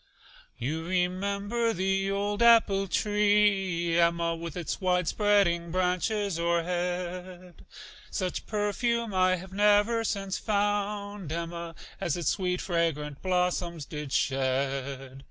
You remember the old apple tree, Emma, With its wide spreading branches o'erhead? Such perfume I have never since found, Emma, As its sweet, fragrant blossoms did shed.